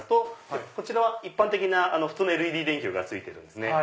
こちらは一般的なＬＥＤ電球がついてるんですね。